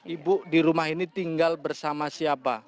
ibu di rumah ini tinggal bersama siapa